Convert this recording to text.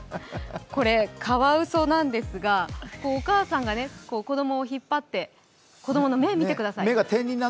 カワウソなんですが、お母さんが子供を引っ張って子供の目、見てください。